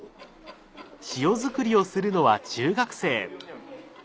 塩づくりをするのは中学生。